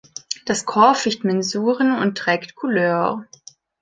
Das Corps ficht Mensuren und trägt Couleur.